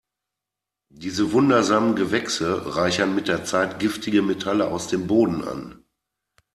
Diese wundersamen Gewächse reichern mit der Zeit giftige Metalle aus dem Boden an.